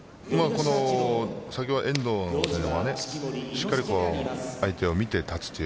さっきは遠藤の場合はしっかりと相手を見て立つという。